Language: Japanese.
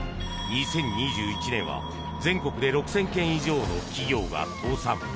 ２０２１年は全国で６０００件以上の企業が倒産。